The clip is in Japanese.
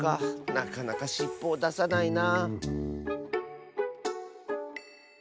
なかなかしっぽをださないな。